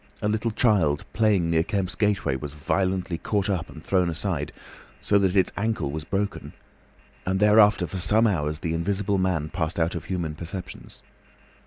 A little child playing near Kemp's gateway was violently caught up and thrown aside, so that its ankle was broken, and thereafter for some hours the Invisible Man passed out of human perceptions.